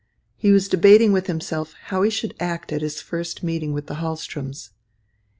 He was debating with himself how he should act at his first meeting with the Hahlströms.